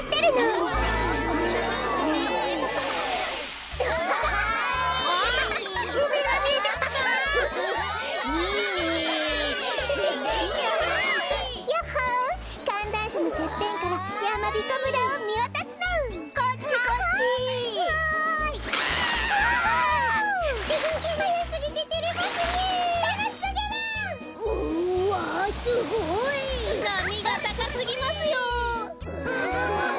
なみがたかすぎますよ！